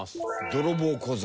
『泥棒小僧』？